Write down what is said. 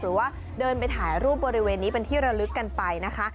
หรือว่าเดินไปถ่ายรูปบริเวณนี้เป็นที่ระลึกกันไปนะคะ